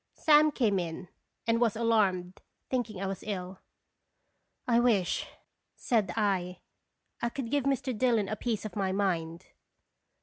Sam came in, and was alarmed, thinking I was ill. " I wish," said I, "I could give Mr. Dillon a piece of my mind."